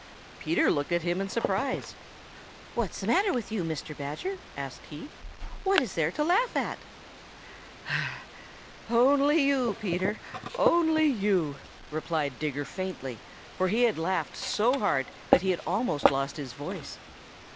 Peter looked at him in surprise. "What's the matter with you, Mr. Badger?" asked he. "What is there to laugh at?" "Only you, Peter. Only you," replied Digger faintly, for he had laughed so hard that he had almost lost his voice.